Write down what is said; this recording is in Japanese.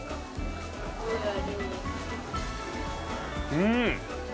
うん。